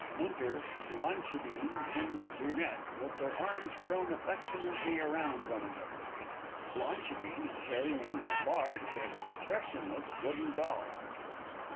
_ Enter BLANCHIDINE and BRUNETTE, with their arms thrown affectionately around one another. BLANCHIDINE _is carrying a large and expressionless wooden doll.